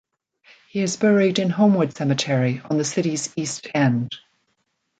He is buried in Homewood Cemetery on the city's east end.